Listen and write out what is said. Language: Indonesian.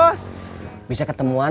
anda mau ikut kumpulan